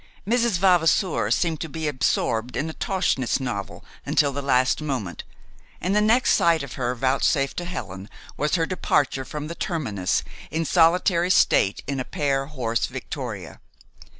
Mrs. Vavasour seemed to be absorbed in a Tauchnitz novel till the last moment, and the next sight of her vouchsafed to Helen was her departure from the terminus in solitary state in a pair horse victoria.